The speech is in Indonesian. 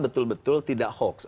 betul betul tidak hoax